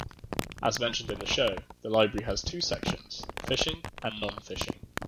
As mentioned in the show, the library has two sections, fishing and non-fishing.